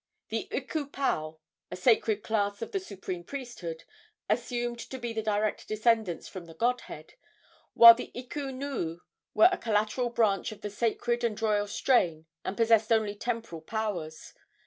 The iku pau, a sacred class of the supreme priesthood, assumed to be the direct descendants from the godhead, while the iku nuu were a collateral branch of the sacred and royal strain, and possessed only temporal powers.